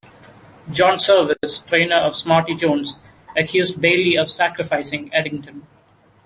John Servis, trainer of Smarty Jones, accused Bailey of "sacrificing" Eddington.